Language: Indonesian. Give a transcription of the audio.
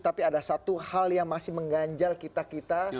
tapi ada satu hal yang masih mengganjal kita kita